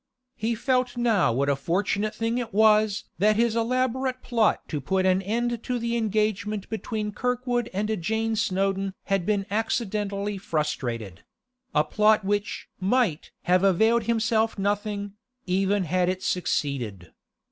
He felt now what a fortunate thing it was that his elaborate plot to put an end to the engagement between Kirkwood and Jane Snowdon had been accidentally frustrated—a plot which might have availed himself nothing, even had it succeeded.